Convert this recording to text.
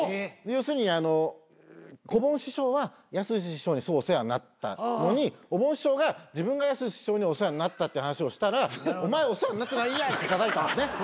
要するにこぼん師匠はやすし師匠にすごいお世話になったのにおぼん師匠が自分がやすし師匠にお世話になったって話をしたらお前お世話になってないやんってたたいたんですね。